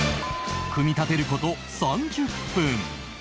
組み立てる事３０分